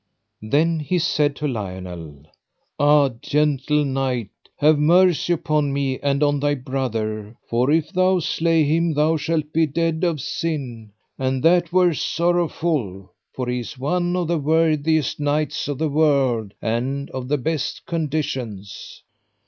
Then he said to Lionel: Ah gentle knight, have mercy upon me and on thy brother, for if thou slay him thou shalt be dead of sin, and that were sorrowful, for he is one of the worthiest knights of the world, and of the best conditions.